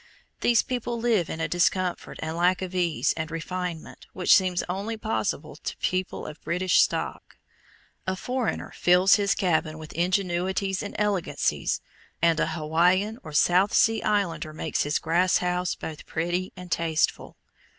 These people live in a discomfort and lack of ease and refinement which seems only possible to people of British stock. A "foreigner" fills his cabin with ingenuities and elegancies, and a Hawaiian or South Sea Islander makes his grass house both pretty and tasteful.